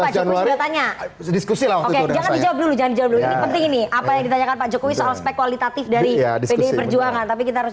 jadinya apa yang ditanyakan pak jokowi soal spek kualitatif dari perjuangan tapi kita harus